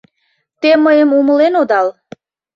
Те мыйым умылен одал...